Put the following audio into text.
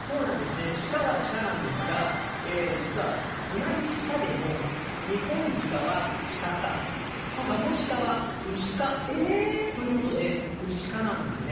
シカはシカなんですが実は、同じシカでもニホンジカはシカ科カモシカはウシ科ということでウシ科なんです。